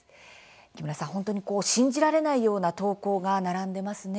木村さん、本当に信じられないような投稿が並んでますね。